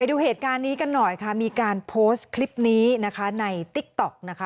ดูเหตุการณ์นี้กันหน่อยค่ะมีการโพสต์คลิปนี้นะคะในติ๊กต๊อกนะคะ